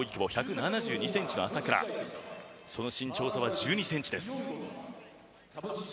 その身長差は１２ｃｍ。